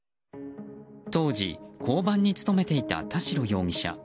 当時、交番に勤めていた田代容疑者。